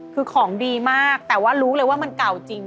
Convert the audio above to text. คือของดีมากแต่ว่ารู้เลยว่ามันเก่าจริง